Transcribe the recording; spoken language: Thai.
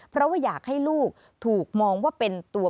เพราะว่าอยากให้ลูกถูกมองว่าเป็นตัว